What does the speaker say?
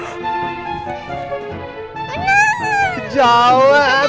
satu dua tiga